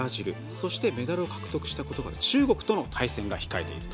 そしてメダルを獲得したことがある中国との対戦が控えていると。